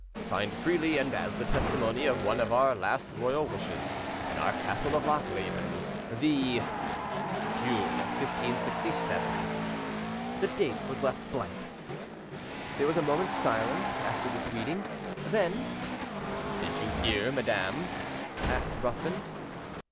"Signed freely and as the testimony of one of our last royal wishes, in our castle of Lochleven, the ___ June 1567". (The date was left blank.) There was a moment's silence after this reading, then "Did you hear, madam?" asked Ruthven.